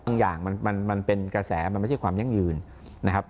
อย่างมันเป็นกระแสมันไม่ใช่ความยั่งยืนนะครับ